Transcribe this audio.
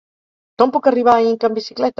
Com puc arribar a Inca amb bicicleta?